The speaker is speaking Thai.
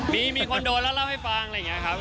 มีคนโดนแล้วเล่าให้ฟังอะไรอย่างนี้ครับ